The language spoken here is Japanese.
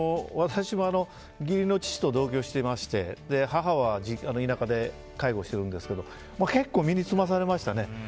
私も義理の父と同居していて母は田舎で介護してるんですけど結構、身につまされましたね。